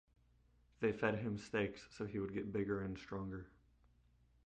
They fed him steaks so he would get bigger and stronger.